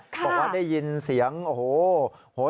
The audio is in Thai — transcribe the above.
บอกว่าได้ยินเสียงโอ้โห